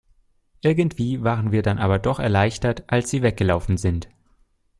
Irgendwie waren wir dann aber doch erleichtert, als sie weg gelaufen sind.